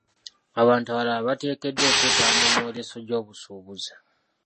Abantu abalala bateekeddwa okwetaba mu myoleso gy'obusuubuzi.